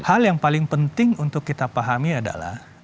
hal yang paling penting untuk kita pahami adalah